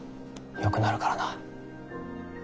よくなるからな。